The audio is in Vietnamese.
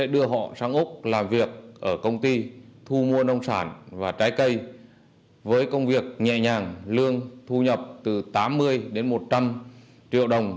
qua vụ việc trên